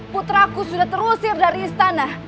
putraku sudah terusir dari istana